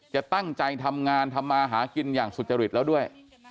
จะตั้งใจทำงานทำมาหากินอย่างสุจริตแล้วด้วย